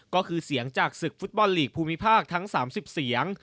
ก็คือเสียงจากศึกฟุตบอลลีกภูมิภาคทั้ง๓๐เสียง